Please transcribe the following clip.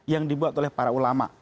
yang dibuat oleh para ulama